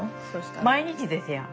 毎日ですやん。